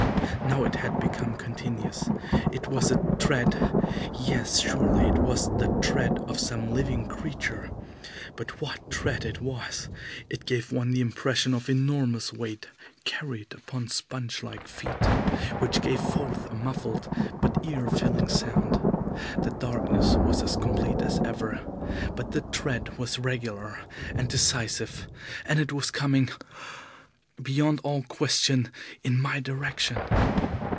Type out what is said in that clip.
Now it had become continuous. It was a tread yes, surely it was the tread of some living creature. But what a tread it was! It gave one the impression of enormous weight carried upon sponge like feet, which gave forth a muffled but ear filling sound. The darkness was as complete as ever, but the tread was regular and decisive. And it was coming beyond all question in my direction.